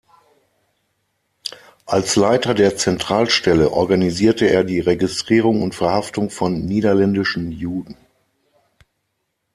Als Leiter der Zentralstelle organisierte er die Registrierung und Verhaftung von niederländischen Juden.